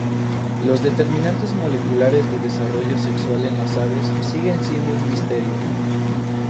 Los determinantes moleculares de desarrollo sexual en las aves siguen siendo un misterio.